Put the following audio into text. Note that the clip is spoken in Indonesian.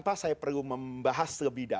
pak saya perlu membahas lebih dalam